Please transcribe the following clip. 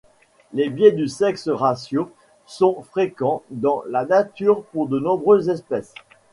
Les biais du sexe-ratio sont fréquents dans la nature pour de nombreuses espèces.